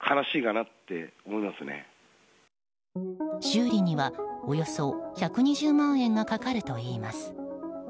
修理にはおよそ１２０万円がかかるといいます。